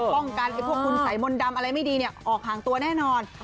ป้องกันพวกคุณสายมนต์ดำอะไรไม่ดีออกห่างตัวแน่นอน